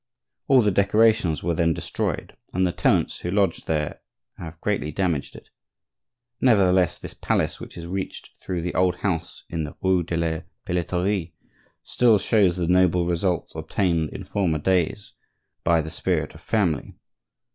All the decorations were then destroyed; and the tenants who lodge there have greatly damaged it; nevertheless this palace, which is reached through the old house in the rue de la Pelleterie, still shows the noble results obtained in former days by the spirit of family.